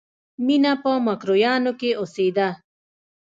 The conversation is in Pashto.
مینه په مکروریانو کې اوسېده